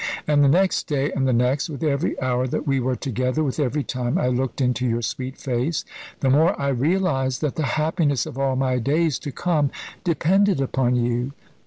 And the next day, and the next, with every hour that we were together, with every time I looked into your sweet face, the more I realised that the happiness of all my days to come depended upon you.